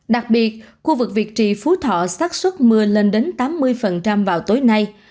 đặc biệt khu vực việt trì phú thọ sát xuất mưa lên đến tám mươi vào tối nay